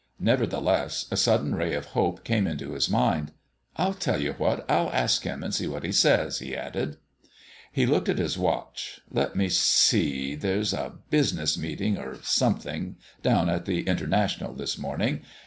Nevertheless, a sudden ray of hope came into his mind. "I'll tell you what; I'll ask him and see what he says," he added. He looked at his watch. "Let me see; there's a business meeting or something down at the International this morning.